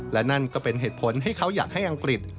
และนั่นก็เป็นเหตุผลที่เขาอยากให้อังกฤษ